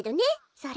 それ。